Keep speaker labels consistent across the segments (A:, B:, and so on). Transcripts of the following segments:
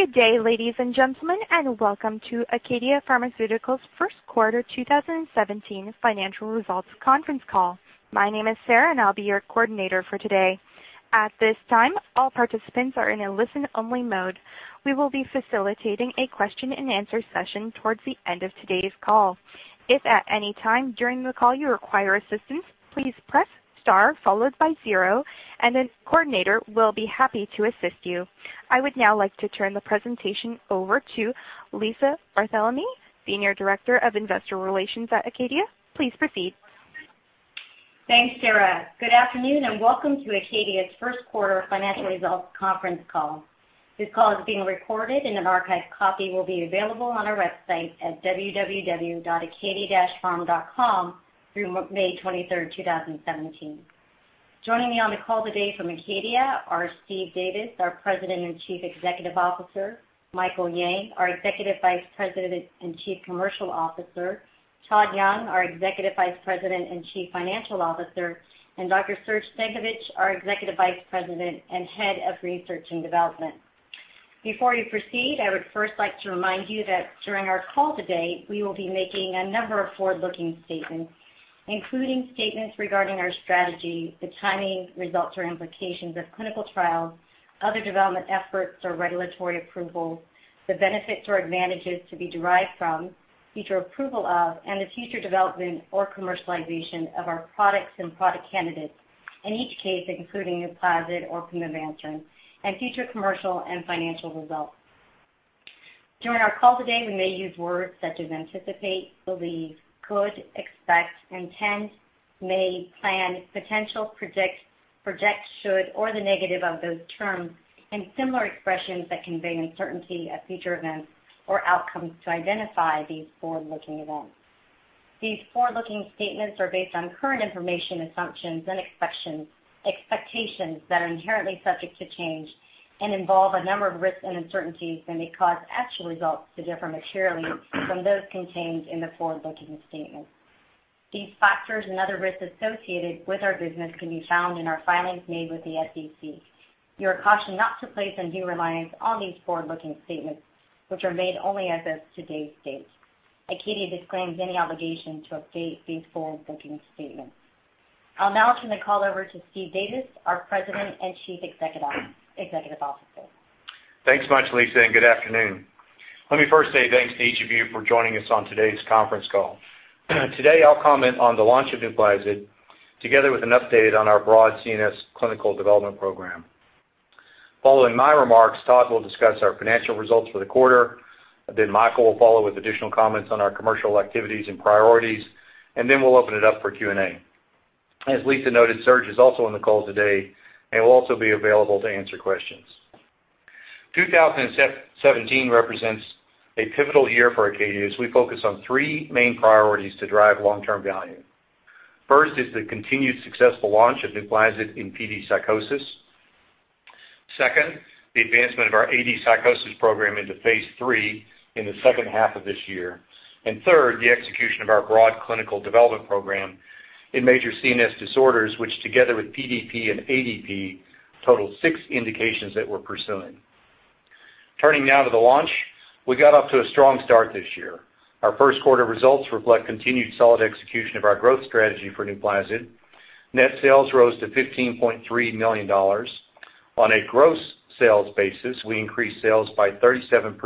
A: Good day, ladies and gentlemen, and welcome to ACADIA Pharmaceuticals' first quarter 2017 financial results conference call. My name is Sarah, and I'll be your coordinator for today. At this time, all participants are in a listen-only mode. We will be facilitating a question and answer session towards the end of today's call. If at any time during the call you require assistance, please press star followed by zero, and a coordinator will be happy to assist you. I would now like to turn the presentation over to Lisa Kisber, Senior Director of Investor Relations at ACADIA. Please proceed.
B: Thanks, Sarah. Good afternoon, and welcome to ACADIA's first quarter financial results conference call. This call is being recorded, and an archived copy will be available on our website at www.acadia-pharm.com through May 23rd, 2017. Joining me on the call today from ACADIA are Steve Davis, our President and Chief Executive Officer; Michael Yang, our Executive Vice President and Chief Commercial Officer; Todd Young, our Executive Vice President and Chief Financial Officer; and Dr. Srdjan Stankovic, our Executive Vice President and Head of Research and Development. Before we proceed, I would first like to remind you that during our call today, we will be making a number of forward-looking statements, including statements regarding our strategy, the timing, results, or implications of clinical trials, other development efforts or regulatory approvals, the benefits or advantages to be derived from, future approval of, and the future development or commercialization of our products and product candidates. In each case, including NUPLAZID or pimavanserin, and future commercial and financial results. During our call today, we may use words such as anticipate, believe, could, expect, intend, may, plan, potential, project, should, or the negative of those terms, and similar expressions that convey uncertainty of future events or outcomes to identify these forward-looking events. These forward-looking statements are based on current information, assumptions, and expectations that are inherently subject to change and involve a number of risks and uncertainties and may cause actual results to differ materially from those contained in the forward-looking statements. These factors and other risks associated with our business can be found in our filings made with the SEC. You are cautioned not to place undue reliance on these forward-looking statements, which are made only as of today's date. ACADIA disclaims any obligation to update these forward-looking statements. I'll now turn the call over to Steve Davis, our President and Chief Executive Officer.
C: Thanks much, Lisa, and good afternoon. Let me first say thanks to each of you for joining us on today's conference call. Today, I'll comment on the launch of NUPLAZID together with an update on our broad CNS clinical development program. Following my remarks, Todd will discuss our financial results for the quarter. Michael will follow with additional comments on our commercial activities and priorities. We'll open it up for Q&A. As Lisa noted, Serge is also on the call today and will also be available to answer questions. 2017 represents a pivotal year for ACADIA as we focus on three main priorities to drive long-term value. First is the continued successful launch of NUPLAZID in PD psychosis. Second, the advancement of our AD psychosis program into phase III in the second half of this year. Third, the execution of our broad clinical development program in major CNS disorders, which together with PDP and ADP, total six indications that we're pursuing. Turning now to the launch. We got off to a strong start this year. Our first quarter results reflect continued solid execution of our growth strategy for NUPLAZID. Net sales rose to $15.3 million. On a gross sales basis, we increased sales by 37%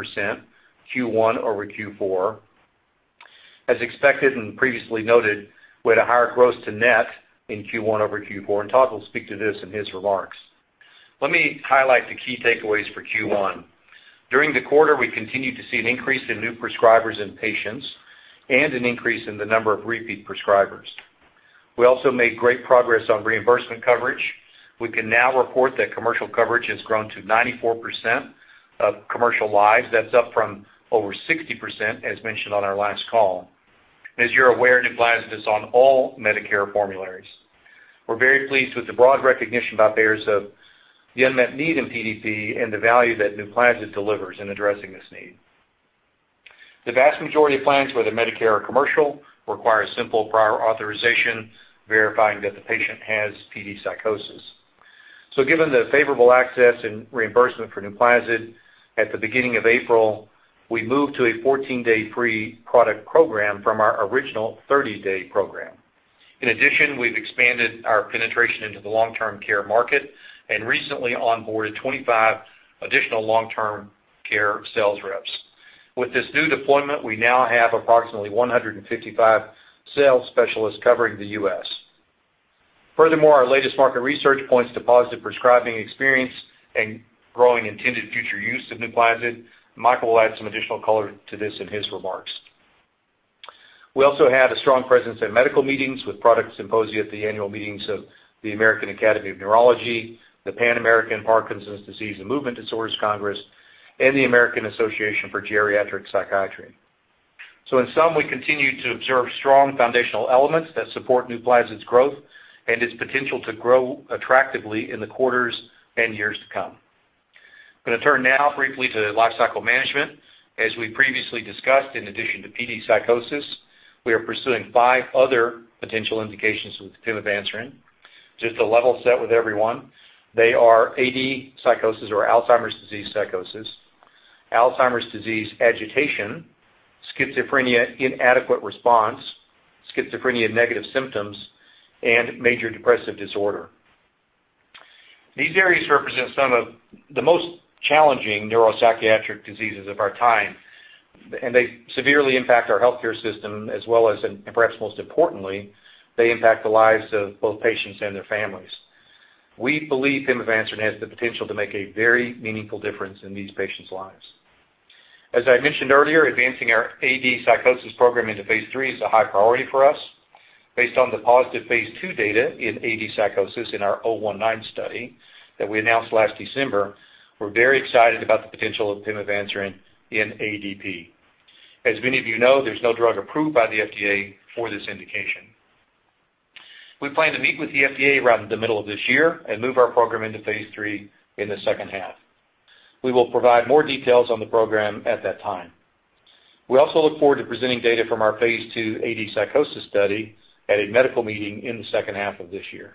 C: Q1 over Q4. As expected and previously noted, we had a higher gross to net in Q1 over Q4, and Todd will speak to this in his remarks. Let me highlight the key takeaways for Q1. During the quarter, we continued to see an increase in new prescribers and patients and an increase in the number of repeat prescribers. We also made great progress on reimbursement coverage. We can now report that commercial coverage has grown to 94% of commercial lives. That's up from over 60%, as mentioned on our last call. As you're aware, NUPLAZID is on all Medicare formularies. We're very pleased with the broad recognition by payers of the unmet need in PDP and the value that NUPLAZID delivers in addressing this need. The vast majority of plans, whether Medicare or commercial, require simple prior authorization verifying that the patient has PD psychosis. Given the favorable access and reimbursement for NUPLAZID at the beginning of April, we moved to a 14-day free product program from our original 30-day program. In addition, we've expanded our penetration into the long-term care market and recently onboarded 25 additional long-term care sales reps. With this new deployment, we now have approximately 155 sales specialists covering the U.S. Furthermore, our latest market research points to positive prescribing experience and growing intended future use of NUPLAZID. Michael will add some additional color to this in his remarks. We also had a strong presence at medical meetings with product symposia at the annual meetings of the American Academy of Neurology, the Pan American Parkinson's Disease and Movement Disorders Congress, and the American Association for Geriatric Psychiatry. In sum, we continue to observe strong foundational elements that support NUPLAZID's growth and its potential to grow attractively in the quarters and years to come. I'm going to turn now briefly to lifecycle management. As we previously discussed, in addition to PD psychosis, we are pursuing five other potential indications with pimavanserin. Just to level set with everyone, they are AD psychosis or Alzheimer's disease psychosis, Alzheimer's disease agitation, schizophrenia inadequate response, schizophrenia negative symptoms, and major depressive disorder. These areas represent some of the most challenging neuropsychiatric diseases of our time, and they severely impact our healthcare system as well as, and perhaps most importantly, they impact the lives of both patients and their families. We believe pimavanserin has the potential to make a very meaningful difference in these patients' lives. As I mentioned earlier, advancing our AD psychosis program into phase III is a high priority for us. Based on the positive phase II data in AD psychosis in our 019 study that we announced last December, we're very excited about the potential of pimavanserin in ADP. As many of you know, there's no drug approved by the FDA for this indication. We plan to meet with the FDA around the middle of this year and move our program into phase III in the second half. We will provide more details on the program at that time. We also look forward to presenting data from our phase II AD psychosis study at a medical meeting in the second half of this year.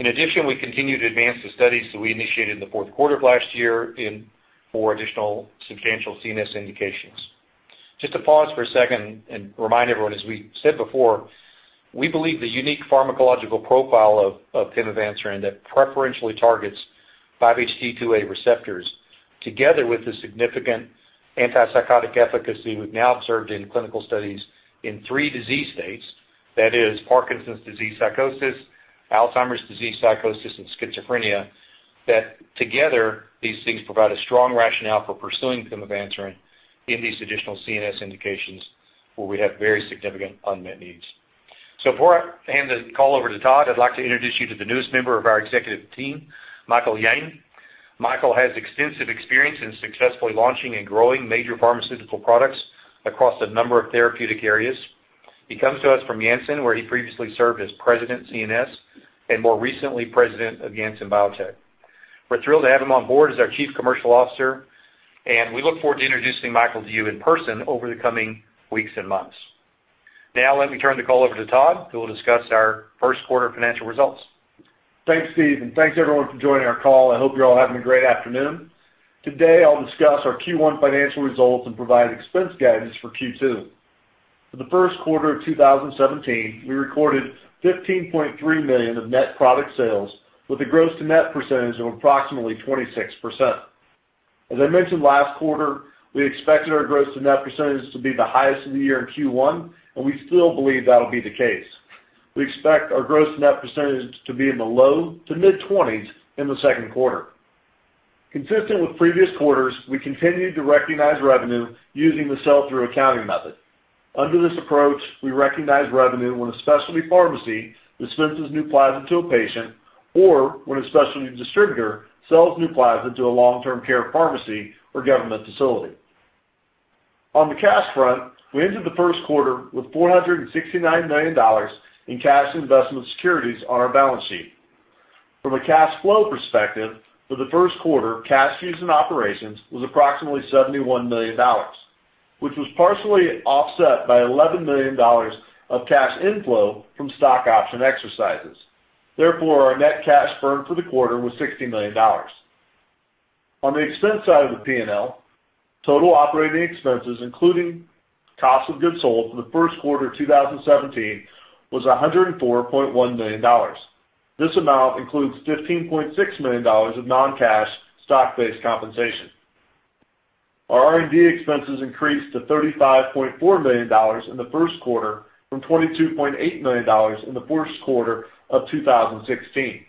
C: In addition, we continue to advance the studies that we initiated in the fourth quarter of last year in four additional substantial CNS indications. Just to pause for a second and remind everyone, as we said before, we believe the unique pharmacological profile of pimavanserin that preferentially targets 5-HT2A receptors, together with the significant antipsychotic efficacy we've now observed in clinical studies in three disease states, that is Parkinson's disease psychosis, Alzheimer's disease psychosis, and schizophrenia, that together these things provide a strong rationale for pursuing pimavanserin in these additional CNS indications where we have very significant unmet needs. Before I hand the call over to Todd, I'd like to introduce you to the newest member of our executive team, Michael Yang. Michael has extensive experience in successfully launching and growing major pharmaceutical products across a number of therapeutic areas. He comes to us from Janssen, where he previously served as President, CNS, and more recently, President of Janssen Biotech. We're thrilled to have him on board as our Chief Commercial Officer, and we look forward to introducing Michael to you in person over the coming weeks and months. Let me turn the call over to Todd, who will discuss our first quarter financial results.
D: Thanks, Steve, and thanks everyone for joining our call. I hope you're all having a great afternoon. Today, I'll discuss our Q1 financial results and provide expense guidance for Q2. For the first quarter of 2017, we recorded $15.3 million of net product sales with a gross to net percentage of approximately 26%. As I mentioned last quarter, we expected our gross to net percentage to be the highest of the year in Q1, and we still believe that'll be the case. We expect our gross net percentage to be in the low to mid-20s in the second quarter. Consistent with previous quarters, we continue to recognize revenue using the sell-through accounting method. Under this approach, we recognize revenue when a specialty pharmacy dispenses NUPLAZID to a patient or when a specialty distributor sells NUPLAZID to a long-term care pharmacy or government facility. On the cash front, we ended the first quarter with $469 million in cash and investment securities on our balance sheet. From a cash flow perspective, for the first quarter, cash fees and operations was approximately $71 million, which was partially offset by $11 million of cash inflow from stock option exercises. Therefore, our net cash burn for the quarter was $60 million. On the expense side of the P&L, total operating expenses, including cost of goods sold for the first quarter 2017, was $104.1 million. This amount includes $15.6 million of non-cash stock-based compensation. Our R&D expenses increased to $35.4 million in the first quarter from $22.8 million in the fourth quarter of 2016.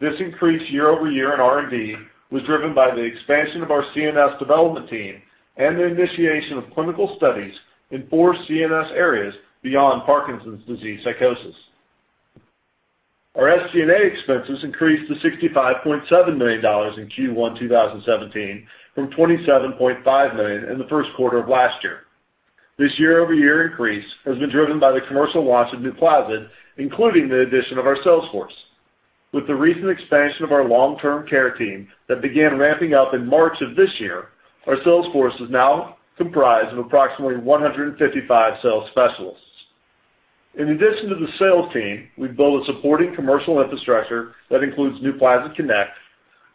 D: This increase year-over-year in R&D was driven by the expansion of our CNS development team and the initiation of clinical studies in four CNS areas beyond Parkinson's disease psychosis. Our SG&A expenses increased to $65.7 million in Q1 2017 from $27.5 million in the first quarter of last year. This year-over-year increase has been driven by the commercial launch of NUPLAZID, including the addition of our sales force. With the recent expansion of our long-term care team that began ramping up in March of this year, our sales force is now comprised of approximately 155 sales specialists. In addition to the sales team, we've built a supporting commercial infrastructure that includes Acadia Connect.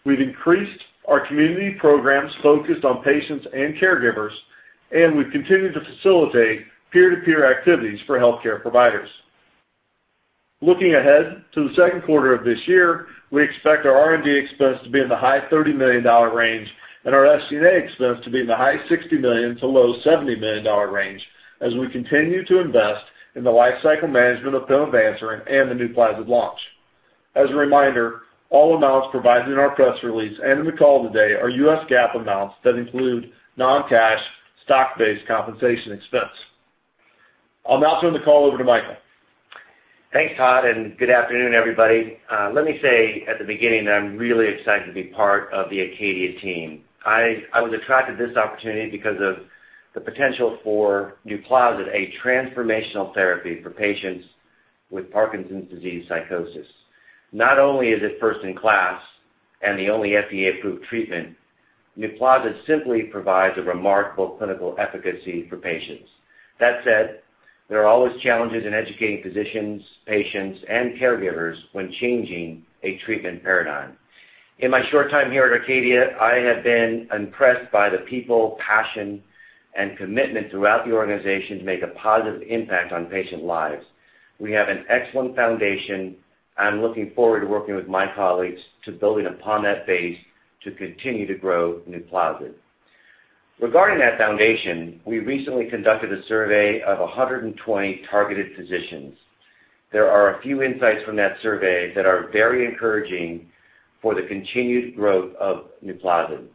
D: We've increased our community programs focused on patients and caregivers. We've continued to facilitate peer-to-peer activities for healthcare providers. Looking ahead to the second quarter of this year, we expect our R&D expense to be in the high $30 million range and our SG&A expense to be in the high $60 million to low $70 million range as we continue to invest in the life cycle management of pimavanserin and the NUPLAZID launch. As a reminder, all amounts provided in our press release and in the call today are US GAAP amounts that include non-cash stock-based compensation expense. I'll now turn the call over to Michael.
E: Thanks, Todd. Good afternoon, everybody. Let me say at the beginning that I'm really excited to be part of the ACADIA team. I was attracted to this opportunity because of the potential for NUPLAZID, a transformational therapy for patients with Parkinson's disease psychosis. Not only is it first in class and the only FDA-approved treatment NUPLAZID simply provides a remarkable clinical efficacy for patients. That said, there are always challenges in educating physicians, patients, and caregivers when changing a treatment paradigm. In my short time here at ACADIA, I have been impressed by the people, passion, and commitment throughout the organization to make a positive impact on patient lives. We have an excellent foundation. I'm looking forward to working with my colleagues to building upon that base to continue to grow NUPLAZID. Regarding that foundation, we recently conducted a survey of 120 targeted physicians. There are a few insights from that survey that are very encouraging for the continued growth of NUPLAZID.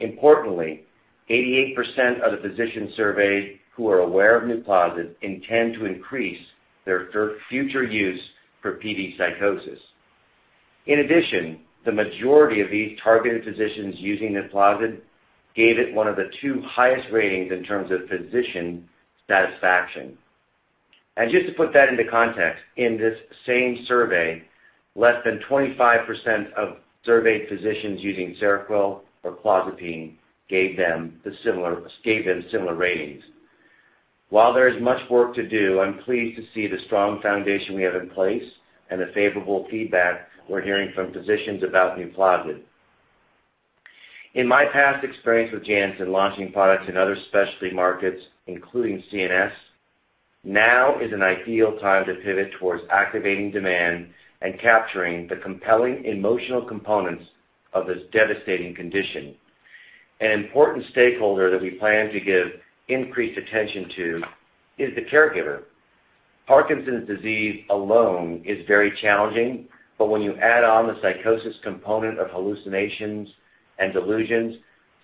E: Importantly, 88% of the physicians surveyed who are aware of NUPLAZID intend to increase their future use for PD psychosis. In addition, the majority of these targeted physicians using NUPLAZID gave it one of the two highest ratings in terms of physician satisfaction. Just to put that into context, in this same survey, less than 25% of surveyed physicians using SEROQUEL or clozapine gave them similar ratings. While there is much work to do, I'm pleased to see the strong foundation we have in place and the favorable feedback we're hearing from physicians about NUPLAZID. In my past experience with Janssen, launching products in other specialty markets, including CNS, now is an ideal time to pivot towards activating demand and capturing the compelling emotional components of this devastating condition. An important stakeholder that we plan to give increased attention to is the caregiver. Parkinson's disease alone is very challenging, but when you add on the psychosis component of hallucinations and delusions,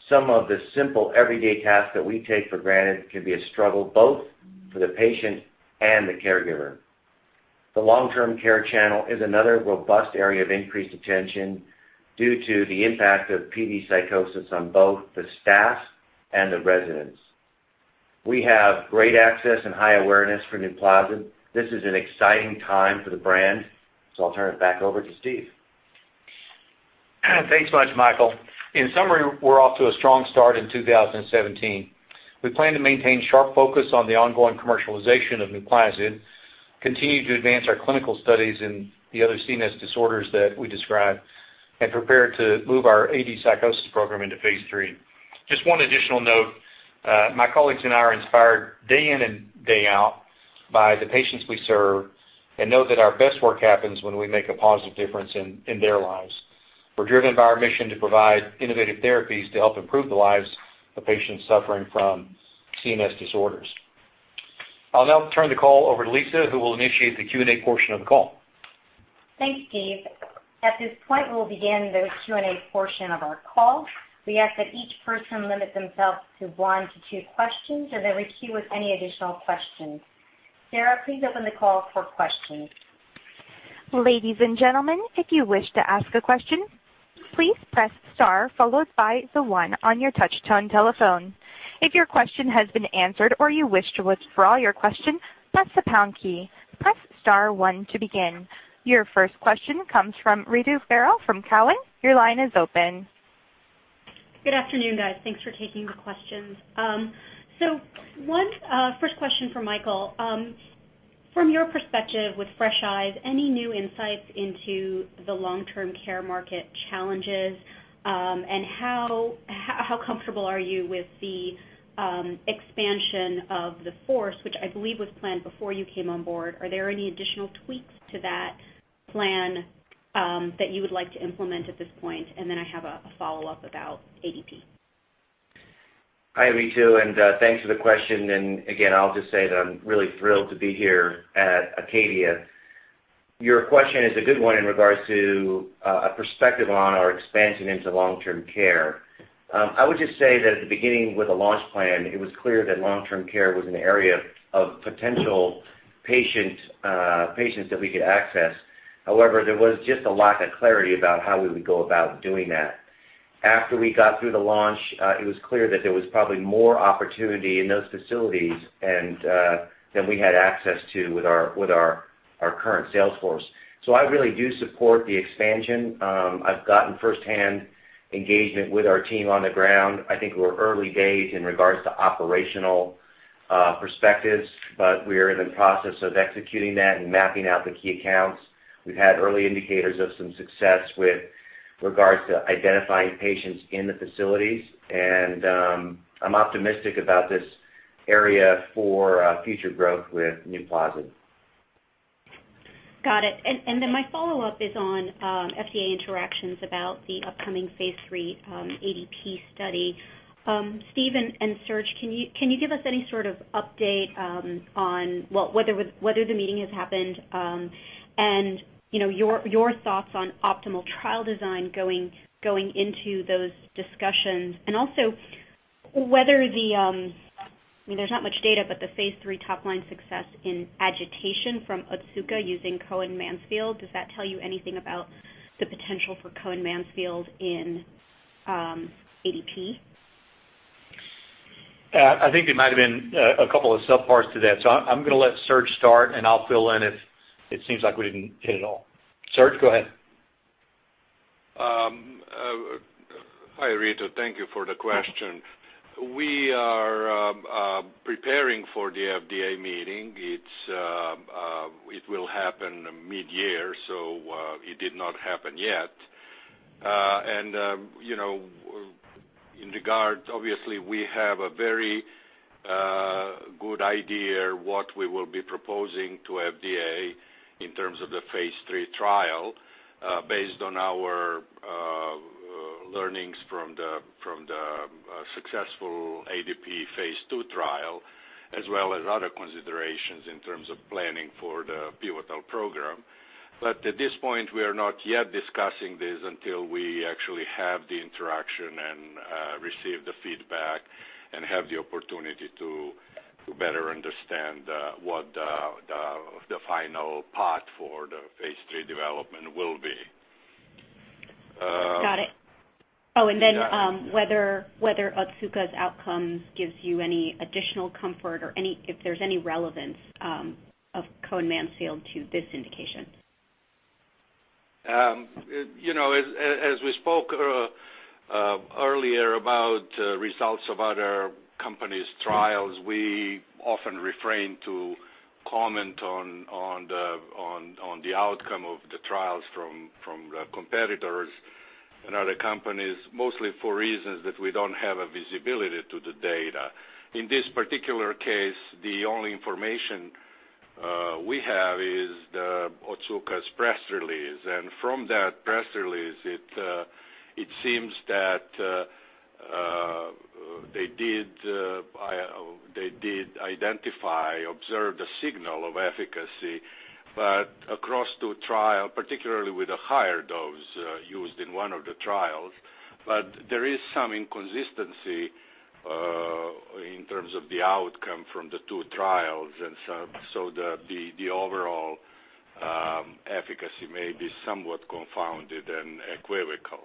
E: some of the simple, everyday tasks that we take for granted can be a struggle both for the patient and the caregiver. The long-term care channel is another robust area of increased attention due to the impact of PD psychosis on both the staff and the residents. We have great access and high awareness for NUPLAZID. This is an exciting time for the brand, I'll turn it back over to Steve.
C: Thanks so much, Michael. In summary, we're off to a strong start in 2017. We plan to maintain sharp focus on the ongoing commercialization of NUPLAZID, continue to advance our clinical studies in the other CNS disorders that we described, and prepare to move our AD psychosis program into phase III. Just one additional note. My colleagues and I are inspired day in and day out by the patients we serve and know that our best work happens when we make a positive difference in their lives. We're driven by our mission to provide innovative therapies to help improve the lives of patients suffering from CNS disorders. I'll now turn the call over to Lisa, who will initiate the Q&A portion of the call.
B: Thanks, Steve. At this point, we'll begin the Q&A portion of our call. We ask that each person limit themselves to one to two questions and then queue with any additional questions. Sarah, please open the call for questions.
A: Ladies and gentlemen, if you wish to ask a question, please press star followed by the one on your touchtone telephone. If your question has been answered or you wish to withdraw your question, press the pound key. Press star one to begin. Your first question comes from Ritu Baral from Cowen. Your line is open.
F: Good afternoon, guys. Thanks for taking the questions. One first question for Michael. From your perspective with fresh eyes, any new insights into the long-term care market challenges? How comfortable are you with the expansion of the force, which I believe was planned before you came on board? Are there any additional tweaks to that plan that you would like to implement at this point? Then I have a follow-up about ADP.
E: Hi, Ritu. Thanks for the question. Again, I'll just say that I'm really thrilled to be here at ACADIA. Your question is a good one in regards to a perspective on our expansion into long-term care. I would just say that at the beginning with a launch plan, it was clear that long-term care was an area of potential patients that we could access. However, there was just a lack of clarity about how we would go about doing that. After we got through the launch, it was clear that there was probably more opportunity in those facilities than we had access to with our current sales force. I really do support the expansion. I've gotten firsthand engagement with our team on the ground. I think we're early days in regards to operational perspectives, but we're in the process of executing that and mapping out the key accounts. We've had early indicators of some success with regards to identifying patients in the facilities, and I'm optimistic about this area for future growth with NUPLAZID.
F: Got it. My follow-up is on FDA interactions about the upcoming phase III ADP study. Steve and Serge, can you give us any sort of update on, well, whether the meeting has happened and your thoughts on optimal trial design going into those discussions? Also, there's not much data, but the phase III top-line success in agitation from Otsuka using Cohen-Mansfield, does that tell you anything about the potential for Cohen-Mansfield in ADP?
C: I think there might have been a couple of sub-parts to that. I'm going to let Srdjan start, and I'll fill in if it seems like we didn't hit it all. Srdjan, go ahead.
G: Hi, Ritu. Thank you for the question. We are preparing for the FDA meeting. It will happen mid-year, so it did not happen yet. In regard, obviously, we have a very good idea what we will be proposing to FDA in terms of the phase III trial, based on our learnings from the successful ADP phase II trial, as well as other considerations in terms of planning for the pivotal program. At this point, we are not yet discussing this until we actually have the interaction and receive the feedback and have the opportunity to better understand what the final path for the phase III development will be.
F: Got it. Whether Otsuka's outcomes gives you any additional comfort or if there's any relevance of Cohen-Mansfield to this indication?
G: As we spoke earlier about results of other companies' trials, we often refrain to comment on the outcome of the trials from competitors and other companies, mostly for reasons that we don't have a visibility to the data. In this particular case, the only information we have is the Otsuka's press release. From that press release, it seems that they did identify, observe the signal of efficacy, but across two trial, particularly with a higher dose used in one of the trials. There is some inconsistency in terms of the outcome from the two trials. The overall efficacy may be somewhat confounded and equivocal.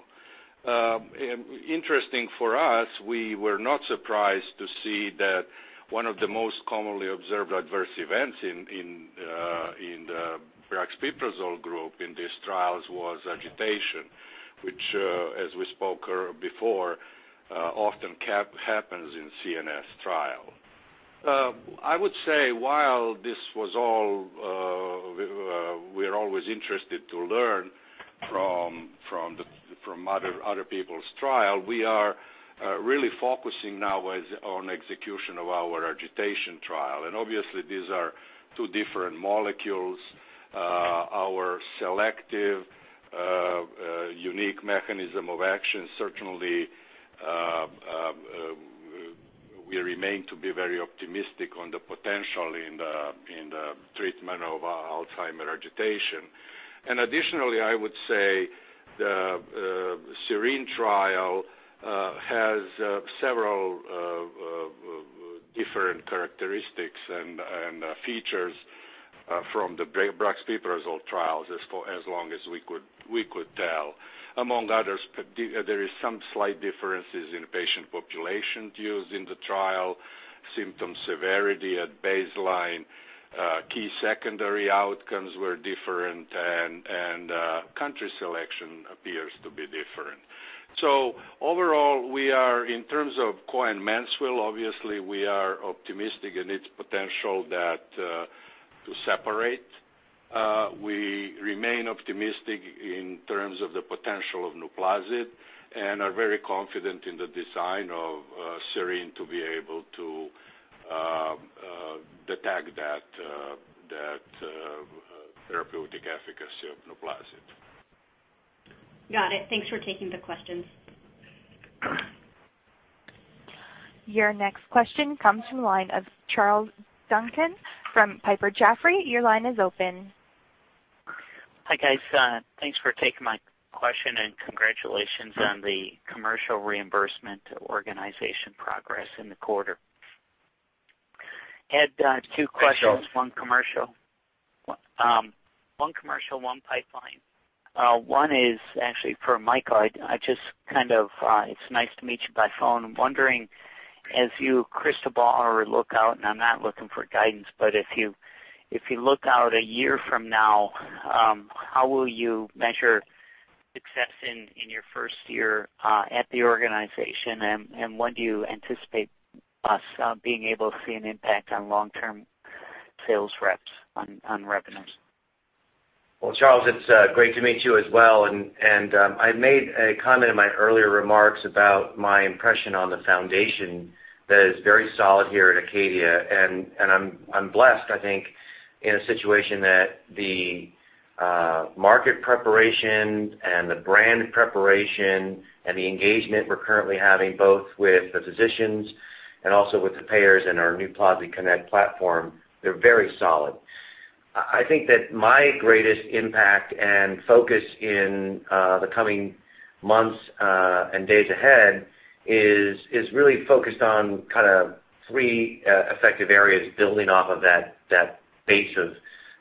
G: Interesting for us, we were not surprised to see that one of the most commonly observed adverse events in the brexpiprazole group in these trials was agitation, which, as we spoke before, often happens in CNS trial. I would say while we're always interested to learn from other people's trial, we are really focusing now on execution of our agitation trial. Obviously these are two different molecules. Our selective unique mechanism of action, certainly, we remain to be very optimistic on the potential in the treatment of Alzheimer's agitation. Additionally, I would say the SERENE Trial has several different characteristics and features from the brexpiprazole trials as long as we could tell. Among others, there is some slight differences in patient populations used in the trial, symptom severity at baseline, key secondary outcomes were different, country selection appears to be different. Overall, in terms of Cohen-Mansfield, obviously, we are optimistic in its potential to separate. We remain optimistic in terms of the potential of NUPLAZID and are very confident in the design of SERENE to be able to detect that therapeutic efficacy of NUPLAZID.
F: Got it. Thanks for taking the questions.
A: Your next question comes from the line of Charles Duncan from Piper Jaffray. Your line is open.
H: Hi, guys. Thanks for taking my question and congratulations on the commercial reimbursement organization progress in the quarter and two questions.
E: Hi, Charles.
H: One commercial, one pipeline. One is actually for Michael. It's nice to meet you by phone. I'm wondering, as you crystal ball or look out, I'm not looking for guidance, but if you look out a year from now, how will you measure success in your first year at the organization, when do you anticipate us being able to see an impact on long-term sales reps on revenues?
E: Well, Charles, it's great to meet you as well. I made a comment in my earlier remarks about my impression on the foundation that is very solid here at ACADIA, I'm blessed, I think, in a situation that the market preparation and the brand preparation and the engagement we're currently having both with the physicians and also with the payers and our Acadia Connect platform, they're very solid. I think that my greatest impact and focus in the coming months and days ahead is really focused on three effective areas building off of that base of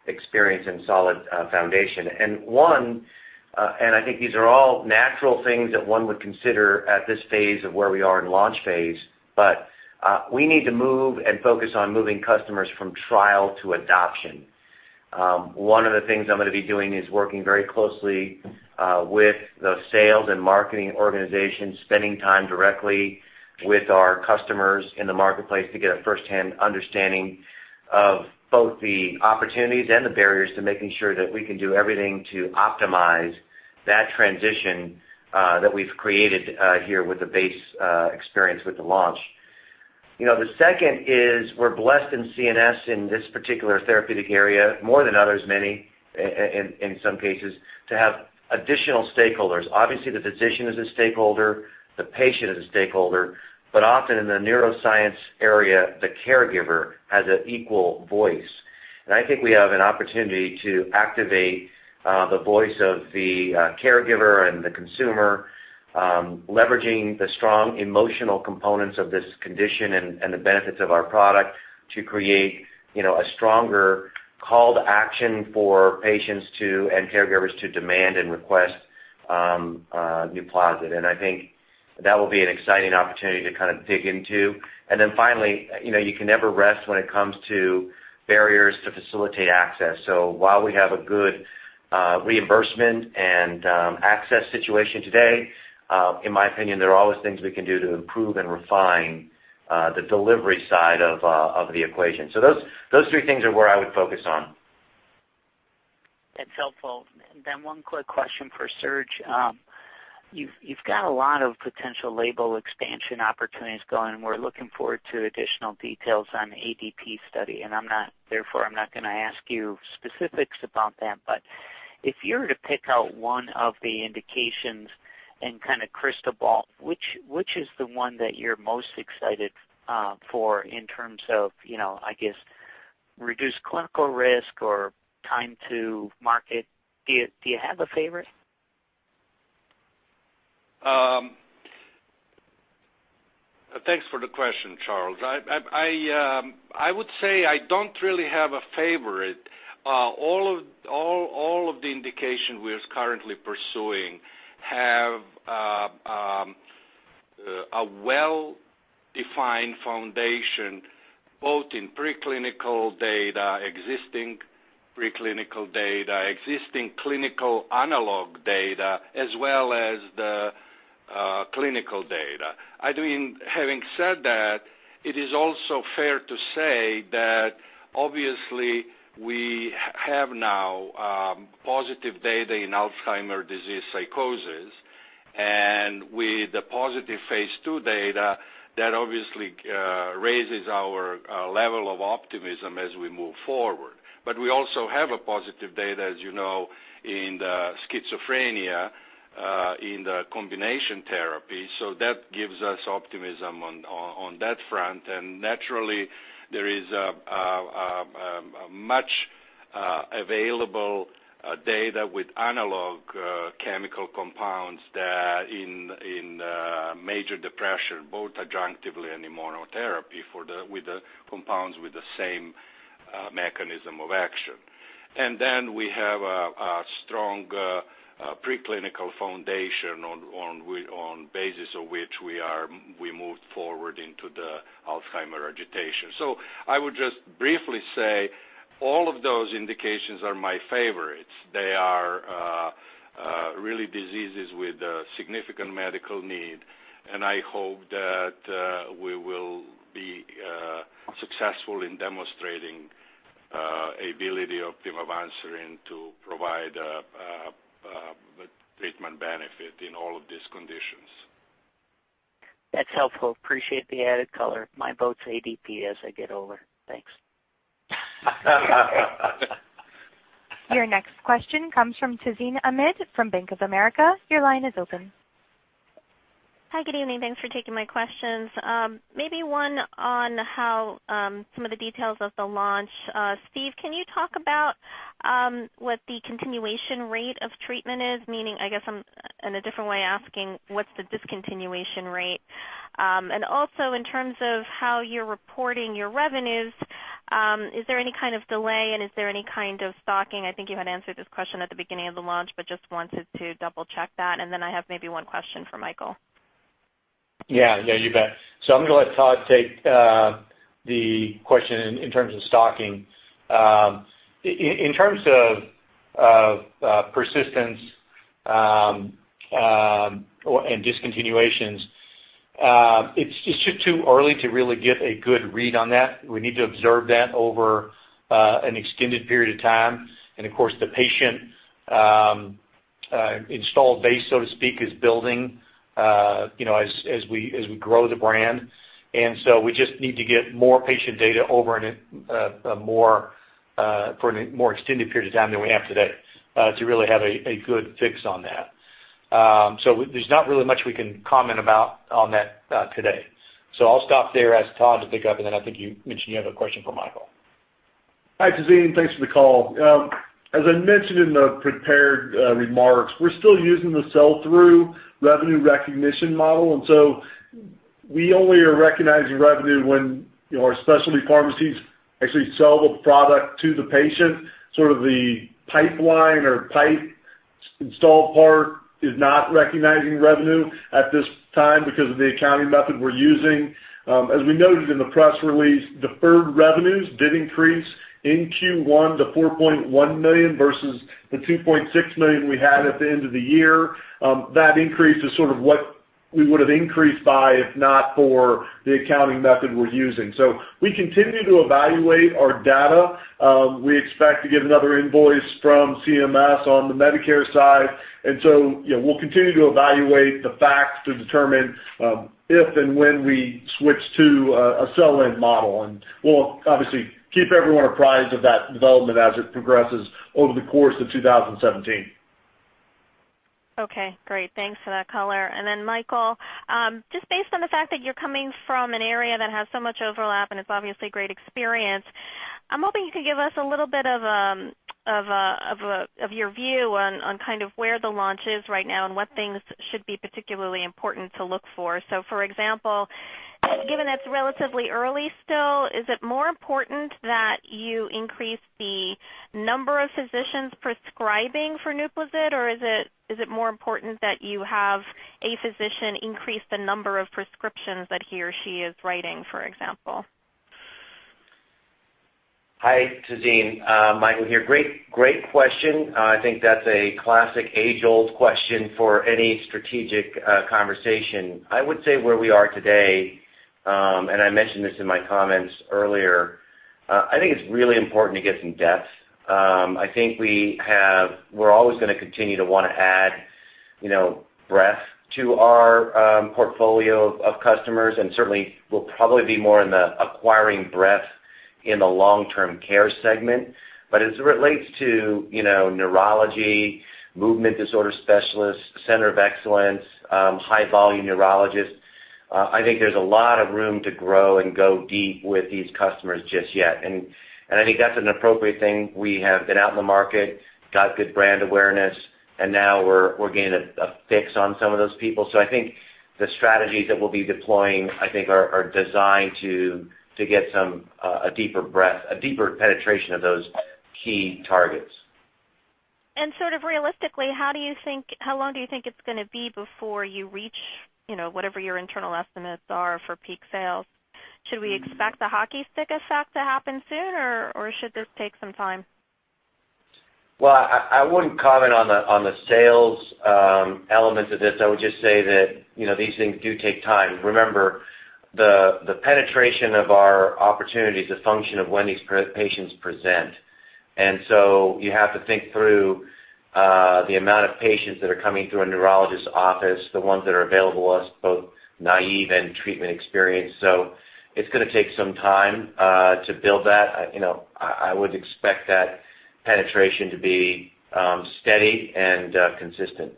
E: experience and solid foundation. I think these are all natural things that one would consider at this phase of where we are in launch phase. We need to move and focus on moving customers from trial to adoption. One of the things I'm going to be doing is working very closely with the sales and marketing organization, spending time directly with our customers in the marketplace to get a firsthand understanding of both the opportunities and the barriers to making sure that we can do everything to optimize that transition that we've created here with the base experience with the launch. The second is we're blessed in CNS in this particular therapeutic area, more than others, many, in some cases, to have additional stakeholders. Obviously, the physician is a stakeholder, the patient is a stakeholder, often in the neuroscience area, the caregiver has an equal voice. I think we have an opportunity to activate the voice of the caregiver and the consumer, leveraging the strong emotional components of this condition and the benefits of our product to create a stronger call to action for patients too, and caregivers to demand and request NUPLAZID. I think that will be an exciting opportunity to kind of dig into. Finally, you can never rest when it comes to barriers to facilitate access. While we have a good reimbursement and access situation today, in my opinion, there are always things we can do to improve and refine the delivery side of the equation. Those three things are where I would focus on.
H: That's helpful. One quick question for Serge. You've got a lot of potential label expansion opportunities going, and we're looking forward to additional details on the ADP study. Therefore, I'm not going to ask you specifics about that. If you were to pick out one of the indications and kind of crystal ball, which is the one that you're most excited for in terms of reduced clinical risk or time to market? Do you have a favorite?
G: Thanks for the question, Charles. I would say I don't really have a favorite. All of the indication we're currently pursuing have a well-defined foundation, both in preclinical data, existing preclinical data, existing clinical analog data, as well as the clinical data. Having said that, it is also fair to say that obviously we have now positive data in Alzheimer's disease psychosis, and with the positive phase II data, that obviously raises our level of optimism as we move forward. We also have a positive data, as you know, in the schizophrenia in the combination therapy. That gives us optimism on that front. Naturally, there is a much available data with analog chemical compounds there in major depression, both adjunctively and in monotherapy with the compounds with the same mechanism of action. Then we have a strong preclinical foundation on basis of which we moved forward into the Alzheimer's agitation. I would just briefly say all of those indications are my favorites. They are really diseases with a significant medical need, and I hope that we will be successful in demonstrating ability of pimavanserin to provide a treatment benefit in all of these conditions.
H: That's helpful. Appreciate the added color. My vote's ADP as I get older. Thanks.
A: Your next question comes from Tazeen Ahmad from Bank of America. Your line is open.
I: Hi, good evening. Thanks for taking my questions. Maybe one on how some of the details of the launch. Steve, can you talk about what the continuation rate of treatment is? Meaning, I guess, in a different way asking what's the discontinuation rate? Also, in terms of how you're reporting your revenues, is there any kind of delay, and is there any kind of stocking? I think you had answered this question at the beginning of the launch, but just wanted to double-check that. Then I have maybe one question for Michael.
C: Yeah. You bet. I'm going to let Todd take the question in terms of stocking. In terms of persistence and discontinuations, it's just too early to really get a good read on that. We need to observe that over an extended period of time. Of course, the patient install base, so to speak, is building as we grow the brand. We just need to get more patient data over for a more extended period of time than we have today to really have a good fix on that. There's not really much we can comment about on that today. I'll stop there, ask Todd to pick up, then I think you mentioned you have a question for Michael.
D: Hi, Tazeen. Thanks for the call. As I mentioned in the prepared remarks, we're still using the sell-through revenue recognition model, so we only are recognizing revenue when our specialty pharmacies actually sell the product to the patient. Sort of the pipeline or pipe install part is not recognizing revenue at this time because of the accounting method we're using. As we noted in the press release, deferred revenues did increase in Q1 to $4.1 million versus the $2.6 million we had at the end of the year. That increase is sort of what we would've increased by, if not for the accounting method we're using. We continue to evaluate our data. We expect to get another invoice from CMS on the Medicare side, so we'll continue to evaluate the facts to determine if and when we switch to a sell-in model. We'll obviously keep everyone apprised of that development as it progresses over the course of 2017.
I: Okay, great. Thanks for that color. Michael, just based on the fact that you're coming from an area that has so much overlap, and it's obviously great experience, I'm hoping you could give us a little bit of your view on where the launch is right now, and what things should be particularly important to look for. For example, given it's relatively early still, is it more important that you increase the number of physicians prescribing for NUPLAZID, or is it more important that you have a physician increase the number of prescriptions that he or she is writing, for example?
E: Hi, Tazeen. Michael here. Great question. I think that's a classic age-old question for any strategic conversation. I would say where we are today, and I mentioned this in my comments earlier, I think it's really important to get some depth. I think we're always going to continue to want to add breadth to our portfolio of customers, and certainly we'll probably be more in the acquiring breadth in the long-term care segment. As it relates to neurology, movement disorder specialists, center of excellence, high-volume neurologists, I think there's a lot of room to grow and go deep with these customers just yet. I think that's an appropriate thing. We have been out in the market, got good brand awareness, and now we're getting a fix on some of those people. I think the strategies that we'll be deploying, I think, are designed to get a deeper breadth, a deeper penetration of those key targets.
I: Sort of realistically, how long do you think it's going to be before you reach whatever your internal estimates are for peak sales? Should we expect the hockey stick effect to happen soon, or should this take some time?
E: Well, I wouldn't comment on the sales element of this. I would just say that these things do take time. Remember, the penetration of our opportunity is a function of when these patients present. So you have to think through the amount of patients that are coming through a neurologist's office, the ones that are available to us, both naive and treatment experienced. So it's going to take some time to build that. I would expect that penetration to be steady and consistent.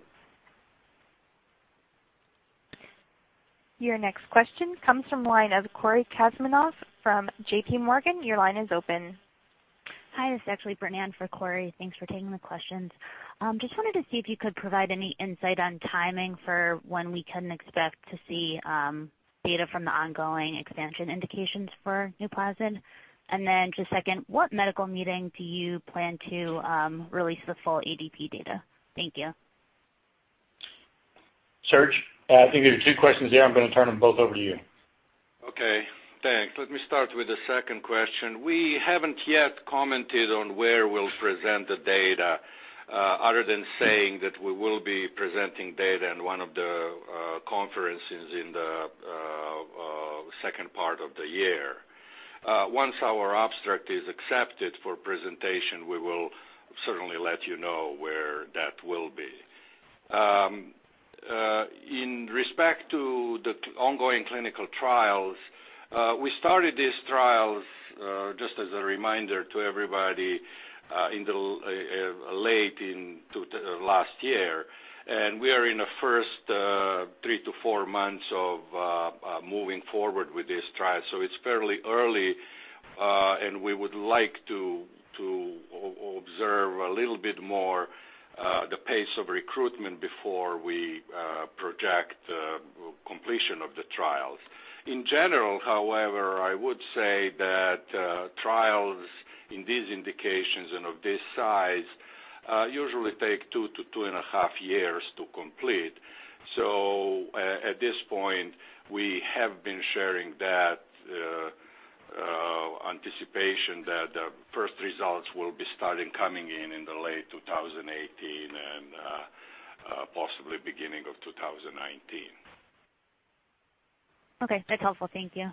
A: Your next question comes from the line of Cory Kasimov from J.P. Morgan. Your line is open.
J: Hi, this is actually Bernan for Cory. Thanks for taking the questions. Just wanted to see if you could provide any insight on timing for when we can expect to see data from the ongoing expansion indications for NUPLAZID. Then just second, what medical meeting do you plan to release the full ADP data? Thank you.
C: Srdjan, I think there are two questions there. I'm going to turn them both over to you.
G: Okay, thanks. Let me start with the second question. We haven't yet commented on where we'll present the data, other than saying that we will be presenting data in one of the conferences in the second part of the year. Once our abstract is accepted for presentation, we will certainly let you know where that will be. In respect to the ongoing clinical trials, we started these trials, just as a reminder to everybody, late in last year. We are in the first three to four months of moving forward with this trial. It's fairly early, and we would like to observe a little bit more the pace of recruitment before we project completion of the trials. In general, however, I would say that trials in these indications and of this size usually take two to two and a half years to complete. At this point, we have been sharing that anticipation that the first results will be starting coming in in late 2018 and possibly beginning of 2019.
J: Okay, that's helpful. Thank you.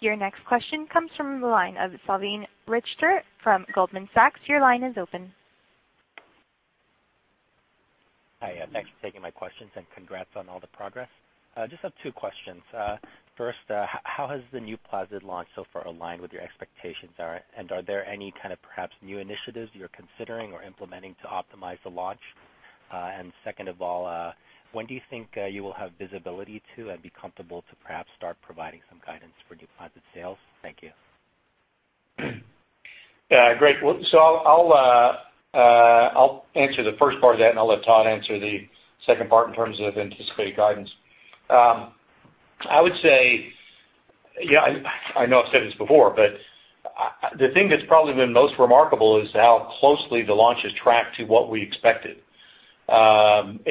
A: Your next question comes from the line of Salveen Richter from Goldman Sachs. Your line is open.
K: Hi, thanks for taking my questions and congrats on all the progress. Just have two questions. First, how has the NUPLAZID launch so far aligned with your expectations, and are there any kind of perhaps new initiatives you're considering or implementing to optimize the launch? Second of all, when do you think you will have visibility to, and be comfortable to perhaps start providing some guidance for NUPLAZID sales? Thank you.
C: Great. I'll answer the first part of that, and I'll let Todd answer the second part in terms of anticipated guidance. I would say, I know I've said this before, but the thing that's probably been most remarkable is how closely the launch has tracked to what we expected. In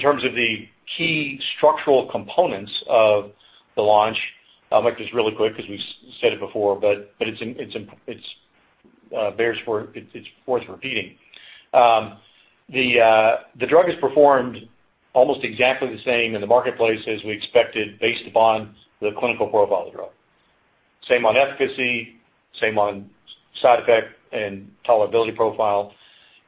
C: terms of the key structural components of the launch, I'll make this really quick because we've said it before, but it's worth repeating. The drug has performed almost exactly the same in the marketplace as we expected based upon the clinical profile of the drug. Same on efficacy, same on side effect and tolerability profile.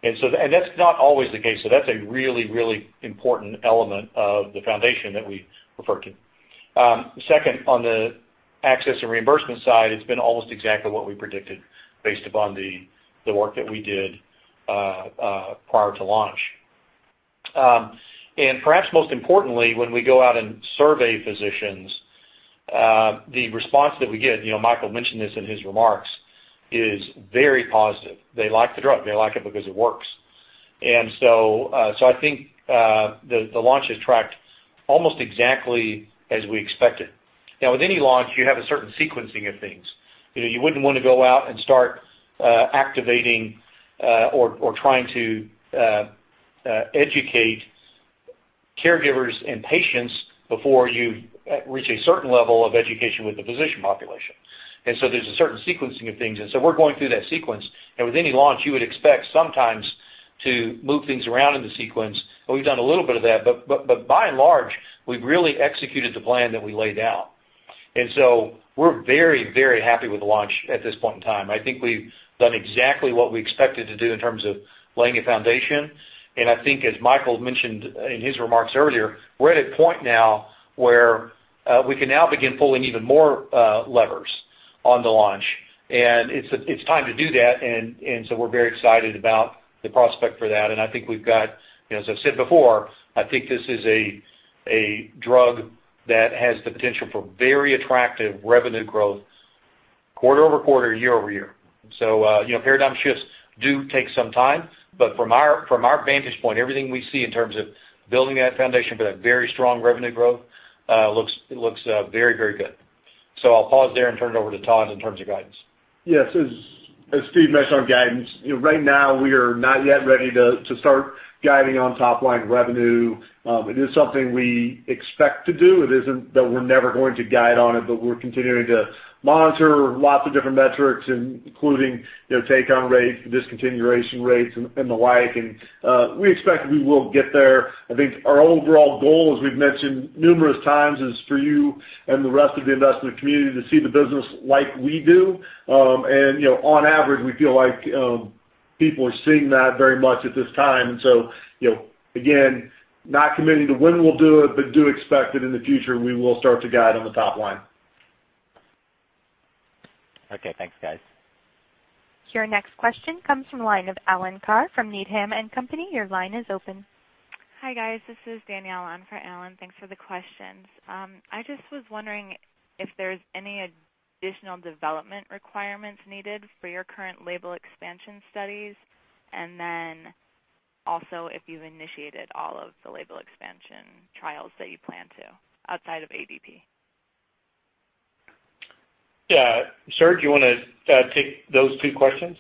C: That's not always the case. That's a really important element of the foundation that we refer to. Second, on the access and reimbursement side, it's been almost exactly what we predicted based upon the work that we did prior to launch. Perhaps most importantly, when we go out and survey physicians, the response that we get, Michael mentioned this in his remarks, is very positive. They like the drug. They like it because it works. I think the launch has tracked almost exactly as we expected. Now, with any launch, you have a certain sequencing of things. You wouldn't want to go out and start activating or trying to educate caregivers and patients before you reach a certain level of education with the physician population. There's a certain sequencing of things, and so we're going through that sequence. With any launch, you would expect sometimes to move things around in the sequence. We've done a little bit of that, by and large, we've really executed the plan that we laid out. We're very happy with the launch at this point in time. I think we've done exactly what we expected to do in terms of laying a foundation. I think as Michael mentioned in his remarks earlier, we're at a point now where we can now begin pulling even more levers on the launch, and it's time to do that. We're very excited about the prospect for that. I think we've got, as I've said before, I think this is a drug that has the potential for very attractive revenue growth quarter-over-quarter, year-over-year. Paradigm shifts do take some time, from our vantage point, everything we see in terms of building that foundation for that very strong revenue growth, looks very good. I'll pause there and turn it over to Todd in terms of guidance.
D: Yes, as Steve mentioned on guidance, right now we are not yet ready to start guiding on top line revenue. It is something we expect to do. It isn't that we're never going to guide on it, we're continuing to monitor lots of different metrics, including take-on rates, discontinuation rates, and the like, and we expect we will get there. I think our overall goal, as we've mentioned numerous times, is for you and the rest of the investment community to see the business like we do. On average, we feel like people are seeing that very much at this time. Again, not committing to when we'll do it, do expect that in the future, we will start to guide on the top line.
K: Okay, thanks guys.
A: Your next question comes from the line of Alan Carr from Needham & Company. Your line is open.
L: Hi guys, this is Danielle on for Alan. Thanks for the questions. I just was wondering if there's any additional development requirements needed for your current label expansion studies, and then also if you've initiated all of the label expansion trials that you plan to outside of ADP.
C: Yeah. Serge, you want to take those two questions?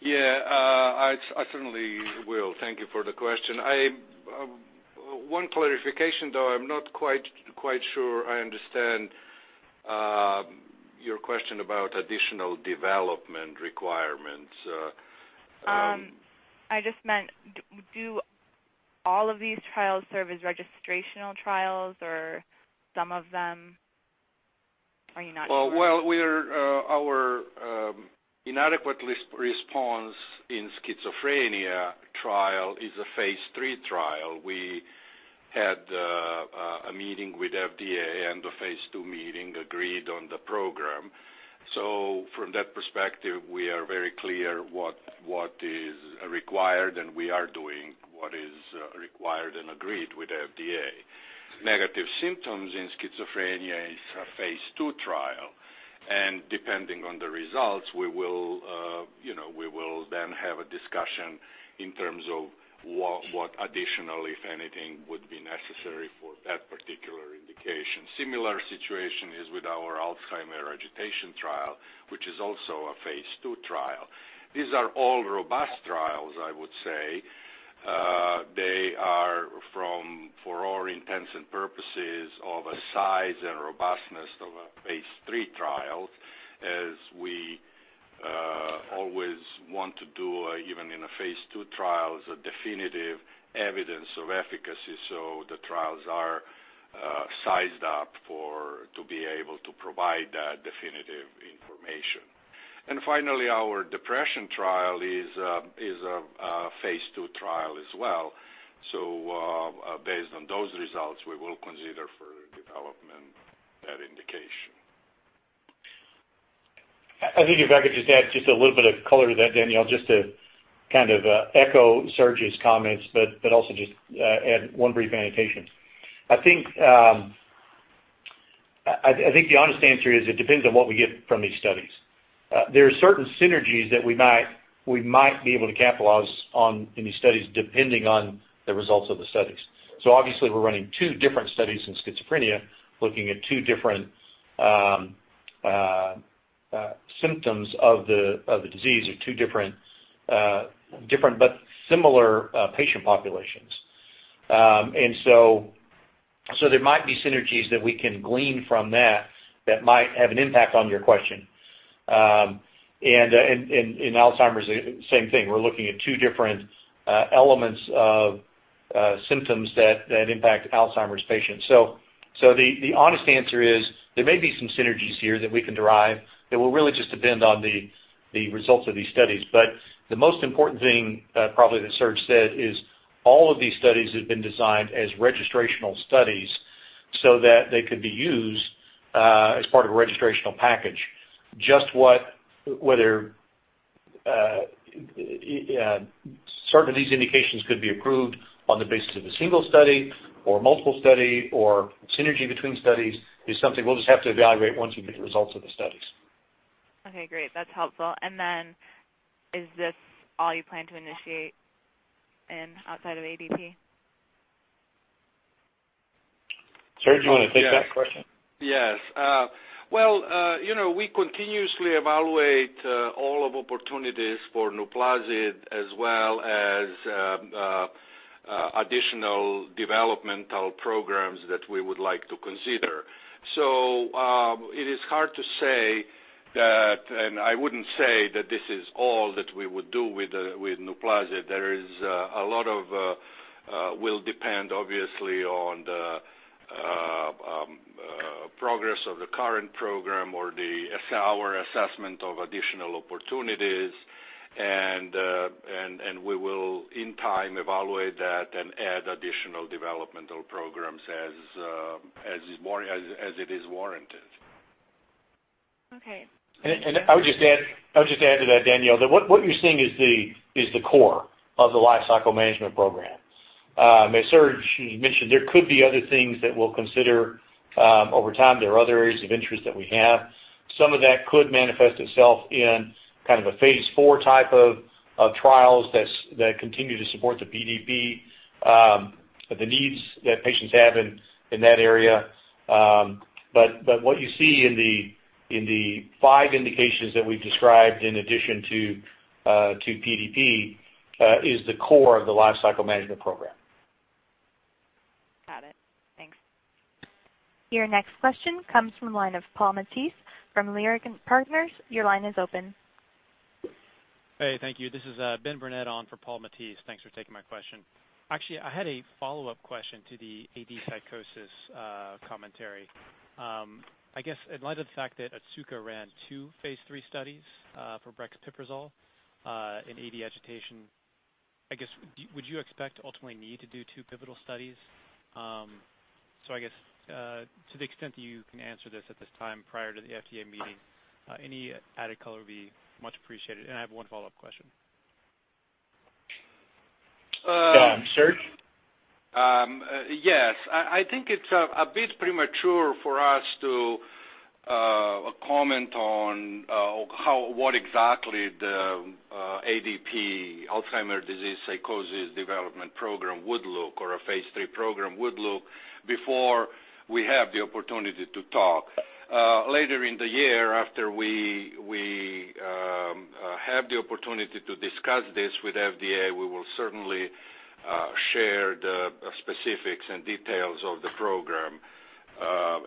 G: Yeah. I certainly will. Thank you for the question. One clarification though, I'm not quite sure I understand your question about additional development requirements.
L: I just meant do all of these trials serve as registrational trials or some of them? Are you not sure?
G: Well, our inadequate response in schizophrenia trial is a phase III trial. We had a meeting with FDA and a phase II meeting, agreed on the program. From that perspective, we are very clear what is required, and we are doing what is required and agreed with FDA. Negative symptoms in schizophrenia is a phase II trial. Depending on the results, we will then have a discussion in terms of what additional, if anything, would be necessary for that particular indication. Similar situation is with our Alzheimer's agitation trial, which is also a phase II trial. These are all robust trials, I would say. They are, for all intents and purposes, of a size and robustness of a phase III trial as we always want to do even in a phase II trials, a definitive evidence of efficacy so the trials are sized up to be able to provide that definitive information. Finally, our depression trial is a phase II trial as well. Based on those results, we will consider for development that indication.
C: I think if I could just add just a little bit of color to that, Danielle, just to echo Srdjan's comments. Also just add one brief annotation. I think the honest answer is it depends on what we get from these studies. There are certain synergies that we might be able to capitalize on in these studies, depending on the results of the studies. Obviously, we're running two different studies in schizophrenia, looking at two different symptoms of the disease, or two different but similar patient populations. There might be synergies that we can glean from that might have an impact on your question. In Alzheimer's, same thing. We're looking at two different elements of symptoms that impact Alzheimer's patients. The honest answer is there may be some synergies here that we can derive that will really just depend on the results of these studies. The most important thing probably that Serge said is all of these studies have been designed as registrational studies so that they could be used as part of a registrational package. Certainly, these indications could be approved on the basis of a single study or multiple study or synergy between studies is something we'll just have to evaluate once we get the results of the studies.
L: Okay, great. That's helpful. Is this all you plan to initiate in outside of ADP?
C: Serge, do you want to take that question?
G: Yes. Well, we continuously evaluate all of opportunities for NUPLAZID as well as additional developmental programs that we would like to consider. It is hard to say that, and I wouldn't say that this is all that we would do with NUPLAZID. A lot will depend, obviously, on the progress of the current program or our assessment of additional opportunities. We will, in time, evaluate that and add additional developmental programs as it is warranted.
L: Okay.
C: I would just add to that, Danielle, that what you're seeing is the core of the lifecycle management program. As Serge mentioned, there could be other things that we'll consider over time. There are other areas of interest that we have. Some of that could manifest itself in a phase IV type of trials that continue to support the PDP, the needs that patients have in that area. What you see in the five indications that we've described in addition to PDP is the core of the lifecycle management program.
L: Got it. Thanks.
A: Your next question comes from the line of Paul Matteis from Leerink Partners. Your line is open.
M: Hey, thank you. This is Ben Burnett on for Paul Matteis. Thanks for taking my question. Actually, I had a follow-up question to the AD psychosis commentary. I guess in light of the fact that Otsuka ran two phase III studies for brexpiprazole in AD agitation, I guess would you expect to ultimately need to do two pivotal studies? I guess to the extent that you can answer this at this time prior to the FDA meeting, any added color would be much appreciated. I have one follow-up question.
C: Serge?
G: Yes. I think it's a bit premature for us to comment on what exactly the ADP, Alzheimer's disease psychosis development program would look or a phase III program would look before we have the opportunity to talk. Later in the year after we have the opportunity to discuss this with FDA, we will certainly share the specifics and details of the program. At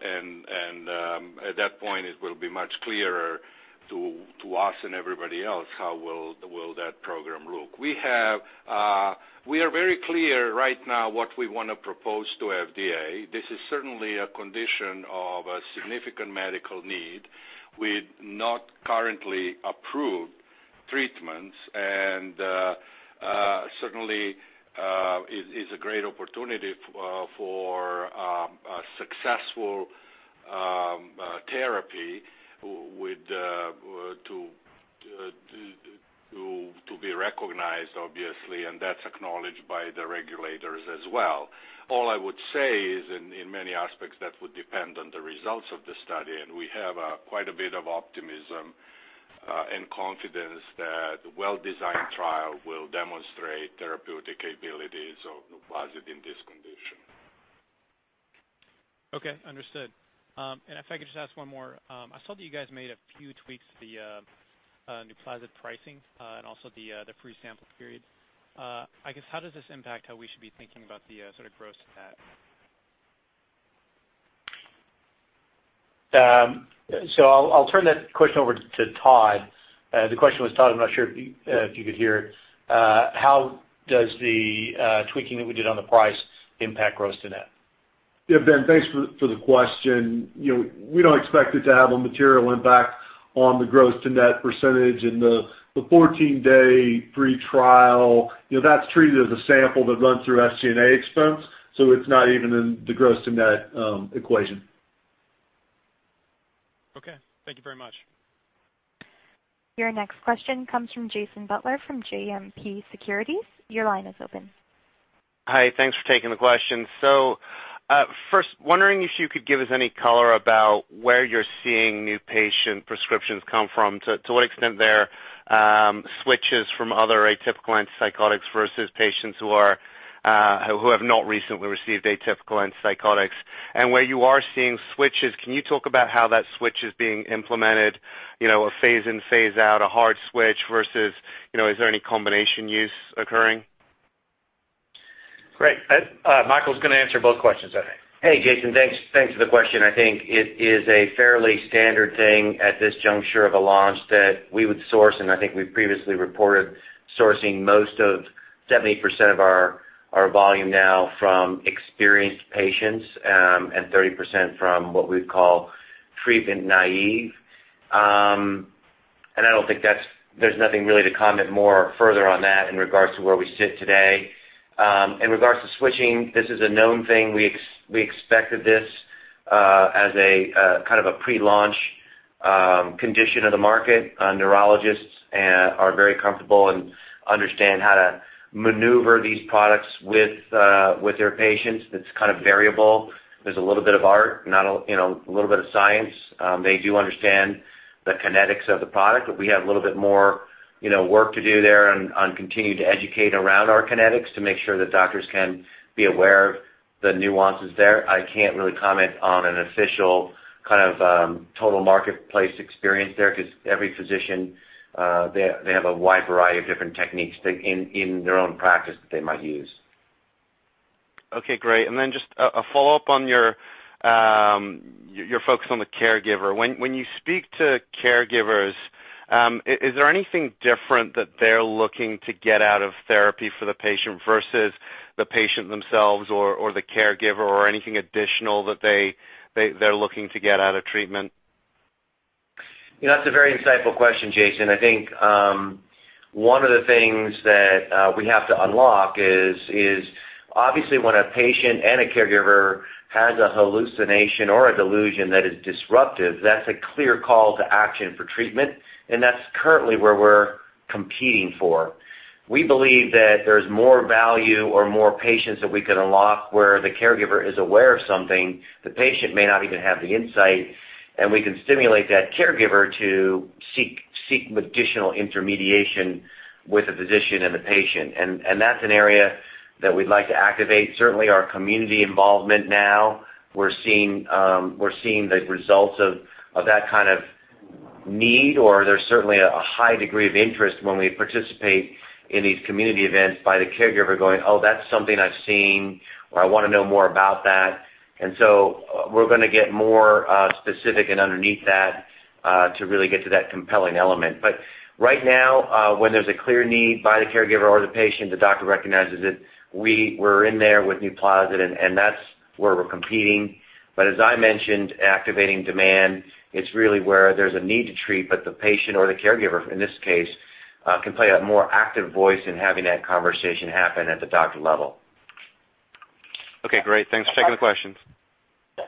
G: that point, it will be much clearer to us and everybody else how will that program look. We are very clear right now what we want to propose to FDA. This is certainly a condition of a significant medical need with not currently approved treatments. Certainly, it's a great opportunity for a successful therapy to be recognized, obviously, and that's acknowledged by the regulators as well. All I would say is in many aspects, that would depend on the results of the study, and we have quite a bit of optimism and confidence that the well-designed trial will demonstrate therapeutic capabilities of NUPLAZID in this condition.
M: Okay. Understood. If I could just ask one more. I saw that you guys made a few tweaks to the NUPLAZID pricing and also the free sample period. I guess how does this impact how we should be thinking about the sort of gross-to-net?
C: I'll turn that question over to Todd. The question was, Todd, I'm not sure if you could hear it. How does the tweaking that we did on the price impact gross to net?
D: Ben, thanks for the question. We don't expect it to have a material impact on the gross to net percentage. The 14-day free trial, that's treated as a sample that runs through SG&A expense, it's not even in the gross to net equation.
M: Thank you very much.
A: Your next question comes from Jason Butler from JMP Securities. Your line is open.
N: Thanks for taking the question. First, wondering if you could give us any color about where you're seeing new patient prescriptions come from, to what extent there are switches from other atypical antipsychotics versus patients who have not recently received atypical antipsychotics. Where you are seeing switches, can you talk about how that switch is being implemented, a phase in, phase out, a hard switch versus is there any combination use occurring?
C: Great. Michael's going to answer both questions, I think.
E: Hey, Jason. Thanks for the question. I think it is a fairly standard thing at this juncture of a launch that we would source, and I think we previously reported sourcing most of 70% of our volume now from experienced patients, and 30% from what we'd call treatment naive. I don't think there's nothing really to comment more further on that in regards to where we sit today. In regards to switching, this is a known thing. We expected this as a kind of a pre-launch condition of the market. Neurologists are very comfortable and understand how to maneuver these products with their patients. It's kind of variable. There's a little bit of art, a little bit of science. They do understand the kinetics of the product, but we have a little bit more work to do there on continuing to educate around our kinetics to make sure that doctors can be aware of the nuances there. I can't really comment on an official kind of total marketplace experience there because every physician, they have a wide variety of different techniques in their own practice that they might use.
N: Okay, great. Then just a follow-up on your focus on the caregiver. When you speak to caregivers, is there anything different that they're looking to get out of therapy for the patient versus the patient themselves or the caregiver or anything additional that they're looking to get out of treatment?
E: That's a very insightful question, Jason. I think one of the things that we have to unlock is obviously when a patient and a caregiver has a hallucination or a delusion that is disruptive, that's a clear call to action for treatment, and that's currently where we're competing for. We believe that there's more value or more patients that we can unlock where the caregiver is aware of something, the patient may not even have the insight, and we can stimulate that caregiver to seek additional intermediation with a physician and the patient. That's an area that we'd like to activate. Certainly, our community involvement now, we're seeing the results of that kind of need, or there's certainly a high degree of interest when we participate in these community events by the caregiver going, "Oh, that's something I've seen," or, "I want to know more about that." We're going to get more specific and underneath that to really get to that compelling element. Right now, when there's a clear need by the caregiver or the patient, the doctor recognizes it. We were in there with NUPLAZID, that's where we're competing. As I mentioned, activating demand, it's really where there's a need to treat, the patient or the caregiver, in this case, can play a more active voice in having that conversation happen at the doctor level.
N: Okay, great. Thanks for taking the questions.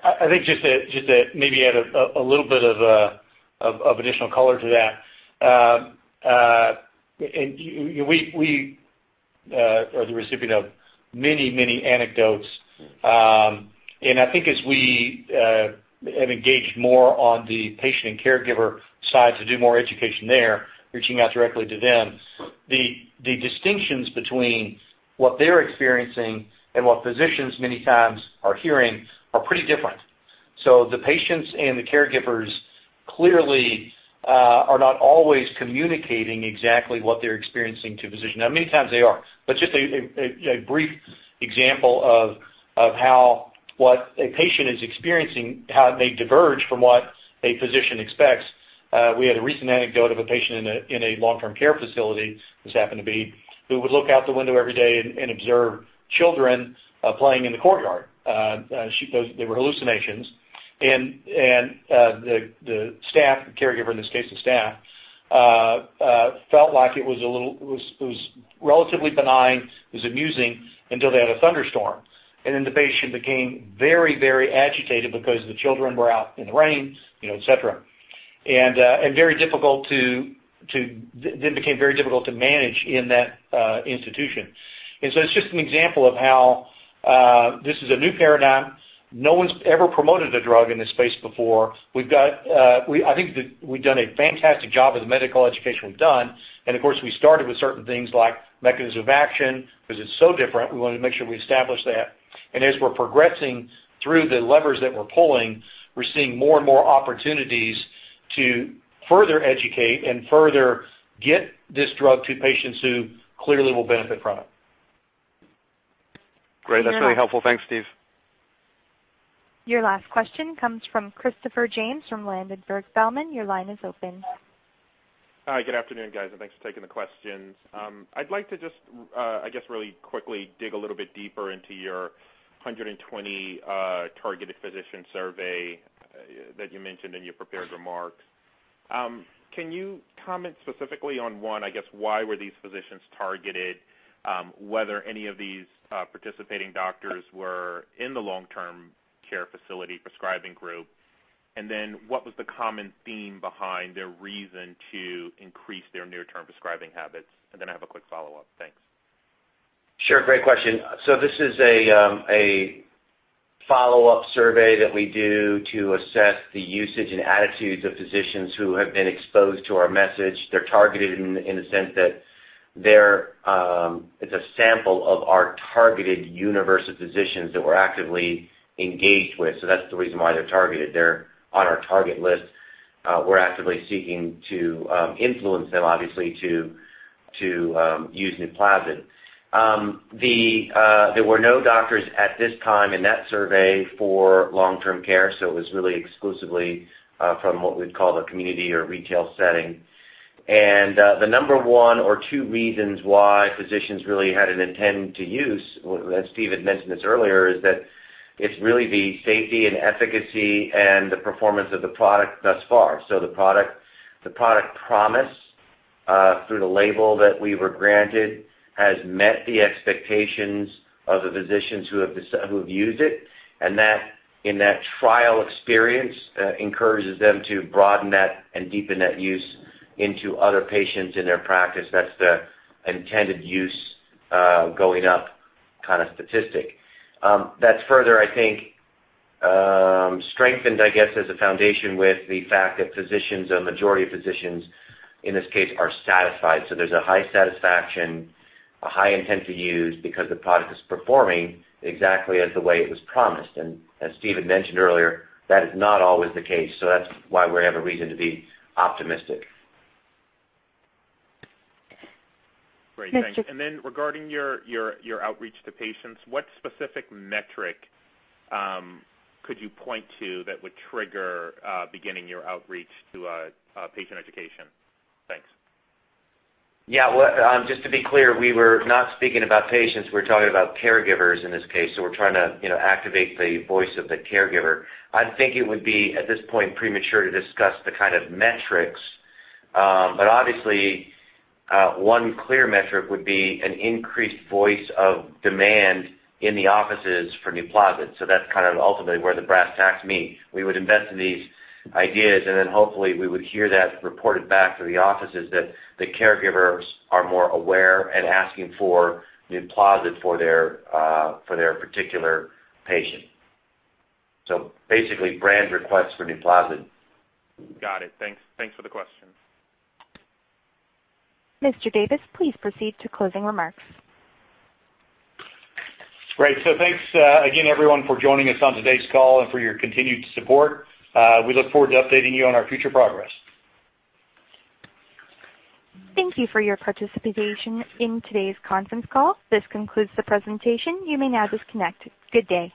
C: I think just to maybe add a little bit of additional color to that. We are the recipient of many, many anecdotes. I think as we have engaged more on the patient and caregiver side to do more education there, reaching out directly to them, the distinctions between what they're experiencing and what physicians many times are hearing are pretty different. The patients and the caregivers clearly are not always communicating exactly what they're experiencing to a physician. Now, many times they are. Just a brief example of how what a patient is experiencing, how it may diverge from what a physician expects. We had a recent anecdote of a patient in a long-term care facility, this happened to be, who would look out the window every day and observe children playing in the courtyard. They were hallucinations. The staff, the caregiver in this case, the staff, felt like it was relatively benign, it was amusing until they had a thunderstorm. Then the patient became very, very agitated because the children were out in the rain, et cetera. Then became very difficult to manage in that institution. It's just an example of how this is a new paradigm. No one's ever promoted a drug in this space before. I think that we've done a fantastic job with the medical education we've done. Of course, we started with certain things like mechanism of action, because it's so different, we wanted to make sure we established that. As we're progressing through the levers that we're pulling, we're seeing more and more opportunities to further educate and further get this drug to patients who clearly will benefit from it.
N: Great. That's really helpful. Thanks, Steve.
A: Your last question comes from Christopher James from Ladenburg Thalmann. Your line is open.
O: Hi, good afternoon, guys, thanks for taking the questions. I'd like to just really quickly dig a little bit deeper into your 120 targeted physician survey that you mentioned in your prepared remarks. Can you comment specifically on, one, why were these physicians targeted? Whether any of these participating doctors were in the long-term care facility prescribing group, then what was the common theme behind their reason to increase their near-term prescribing habits? Then I have a quick follow-up. Thanks.
E: Sure. Great question. This is a follow-up survey that we do to assess the usage and attitudes of physicians who have been exposed to our message. They're targeted in the sense that it's a sample of our targeted universe of physicians that we're actively engaged with. That's the reason why they're targeted. They're on our target list. We're actively seeking to influence them, obviously, to use NUPLAZID. There were no doctors at this time in that survey for long-term care, so it was really exclusively from what we'd call the community or retail setting. The number 1 or 2 reasons why physicians really had an intent to use, and Steve had mentioned this earlier, is that it's really the safety and efficacy and the performance of the product thus far. The product promise through the label that we were granted has met the expectations of the physicians who have used it, and that, in that trial experience, encourages them to broaden that and deepen that use into other patients in their practice. That's the intended use going up kind of statistic. That's further, I think, strengthened, I guess, as a foundation with the fact that physicians, a majority of physicians in this case, are satisfied. There's a high satisfaction, a high intent to use because the product is performing exactly as the way it was promised. As Steve had mentioned earlier, that is not always the case. That's why we have a reason to be optimistic.
O: Great, thanks. Then regarding your outreach to patients, what specific metric could you point to that would trigger beginning your outreach to patient education? Thanks.
E: Yeah. Just to be clear, we were not speaking about patients. We're talking about caregivers in this case. We're trying to activate the voice of the caregiver. I think it would be, at this point, premature to discuss the kind of metrics. Obviously, 1 clear metric would be an increased voice of demand in the offices for NUPLAZID. That's kind of ultimately where the brass tacks meet. We would invest in these ideas, then hopefully we would hear that reported back through the offices that the caregivers are more aware and asking for NUPLAZID for their particular patient. Basically, brand requests for NUPLAZID.
O: Got it. Thanks for the question.
A: Mr. Davis, please proceed to closing remarks.
C: Great. Thanks again, everyone, for joining us on today's call and for your continued support. We look forward to updating you on our future progress.
A: Thank you for your participation in today's conference call. This concludes the presentation. You may now disconnect. Good day.